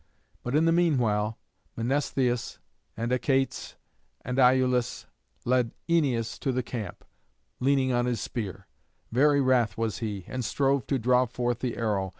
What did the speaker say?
But in the meanwhile Mnestheus and Achates and Iülus led Æneas to the camp, leaning on his spear. Very wrath was he, and strove to draw forth the arrow.